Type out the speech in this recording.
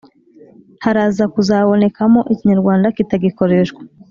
haraza kuzabonekamo ikinyarwanda kitagikoreshwa